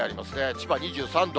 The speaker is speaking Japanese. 千葉２３度。